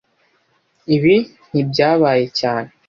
Ibi ntibyabaye cyane